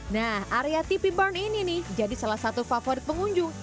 nah area tv barn ini nih jadi salah satu favorit pengunjung